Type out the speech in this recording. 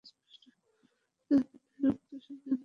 তাহাতে তাঁহার উক্ত সিদ্ধান্তই পাকা হইয়াছে।